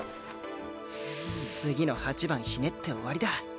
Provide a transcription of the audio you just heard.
次の８番ひねって終わりだ。